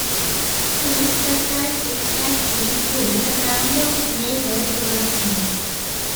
Since that time it has been through a number of major developments.